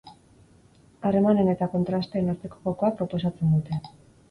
Harremanen eta kontrasteen arteko jokoa proposatzen dute.